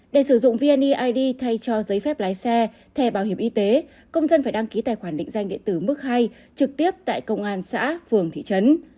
để sử dụng vneid thay cho giấy phép lái xe thẻ bảo hiểm y tế công dân phải đăng ký tài khoản định danh điện tử mức hai trực tiếp tại công an xã phường thị trấn